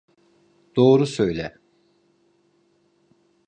Doğru söyle.